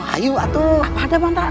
ayu atuh pada mantan